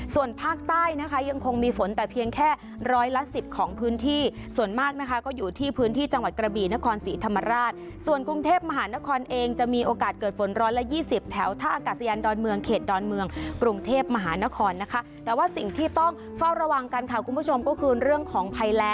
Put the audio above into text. ส่วนภาคใต้นะคะยังคงมีฝนแต่เพียงแค่ร้อยละสิบของพื้นที่ส่วนมากนะคะก็อยู่ที่พื้นที่จังหวัดกระบีนครศรีธรรมราชส่วนกรุงเทพมหานครเองจะมีโอกาสเกิดฝนร้อยละยี่สิบแถวท่าอากาศยานดอนเมืองเขตดอนเมืองกรุงเทพมหานครนะคะแต่ว่าสิ่งที่ต้องเฝ้าระวังกันค่ะคุณผู้ชมก็คือเรื่องของภัยแ